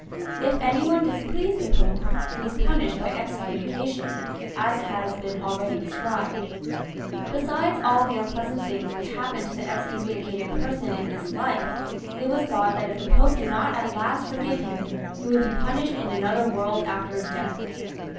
If any one had displeased the Pope, he was punished by excommunication, as has been already described ; besides all the unpleasant things which happened to the excom municated person in this life, it was thought that if the Pope did not at last forgive him, he would be punished in another world after his death.